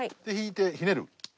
で引いてひねる。